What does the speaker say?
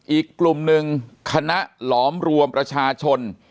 อีกกลุ่มหนึ่งคณะหลอมรวมประชาชน